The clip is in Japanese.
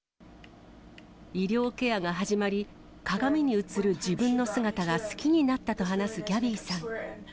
医療ケアが始まり、鏡に映る自分の姿が好きになったと話すギャビーさん。